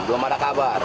belum ada kabar